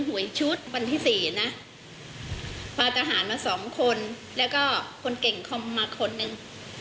วันที่๔นะพาตะหารมา๒คนแล้วก็คนเก่งมาคนหนึ่ง